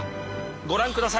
ご覧ください。